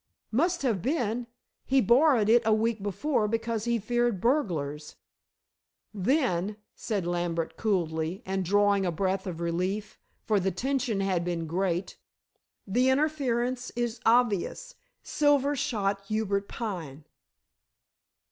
"Must have been. He borrowed it a week before because he feared burglars." "Then," said Lambert coolly, and drawing a breath of relief, for the tension had been great, "the inference is obvious. Silver shot Hubert Pine."